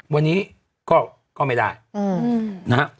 วันนี้ก็ไม่ได้นะฮะ